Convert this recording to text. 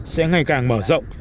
sẽ ngày càng mở rộng